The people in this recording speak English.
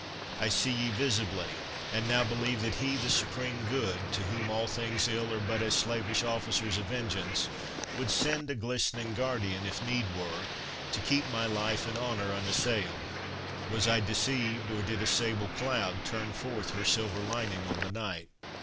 I see ye visibly, and now believe That he the Supreme Good, to whom all things ill Are but as slavish officers of vengeance, Would send a glistering guardian, if need were, To keep my life and honour unassail'd.— Was I deceived, or did a sable cloud. Turn forth her silver lining on the night?